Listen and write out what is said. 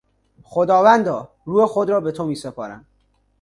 خداوندا، روح خود را به تو میسپارم.